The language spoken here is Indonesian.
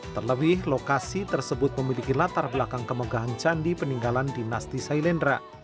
terlebih lokasi tersebut memiliki latar belakang kemegahan candi peninggalan dinasti sailendra